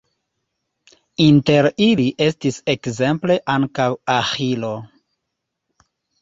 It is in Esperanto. Inter ili estis ekzemple ankaŭ Aĥilo.